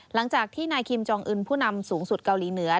หลังจากที่นายคิมจองอึนผู้นำสูงสุดเกาหลีเหนือ